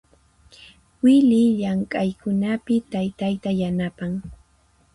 Wily llamk'aykunapi taytayta yanapan.